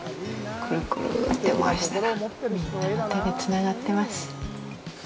クルクルって回したら、みんなの手でつながってます。